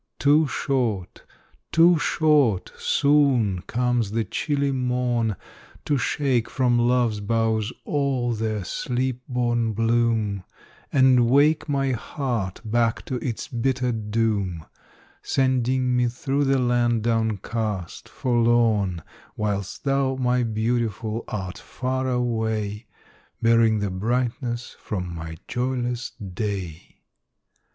Too short too short soon comes the chilly morn, To shake from love's boughs all their sleep born bloom, And wake my heart back to its bitter doom, Sending me through the land down cast, forlorn, Whilst thou, my Beautiful, art far away, Bearing the brightness from my joyless day.